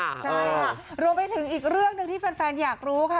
ใช่ค่ะรวมไปถึงอีกเรื่องหนึ่งที่แฟนอยากรู้ค่ะ